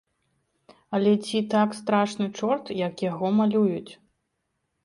Але ці так страшны чорт, як яго малююць?